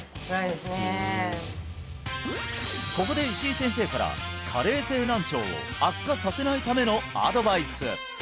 ここで石井先生から加齢性難聴を悪化させないためのアドバイス！